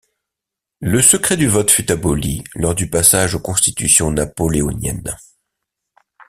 Le secret du vote fut aboli lors du passage aux constitutions napoléoniennes.